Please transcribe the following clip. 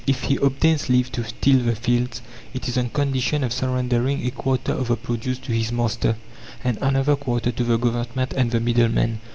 If he obtains leave to till the fields, it is on condition of surrendering a quarter of the produce to his master, and another quarter to the government and the middlemen.